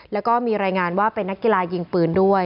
แล้วก็มีรายงานว่าเป็นนักกีฬายิงปืนด้วย